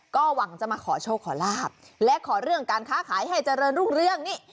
ก็หวังจะมาขอโชคขอลาบและขอเรื่องการค้าขายให้เจริญรุ่งเรื่องนี้